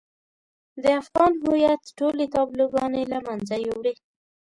د افغان هويت ټولې تابلوګانې له منځه يوړې.